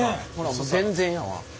もう全然やわ。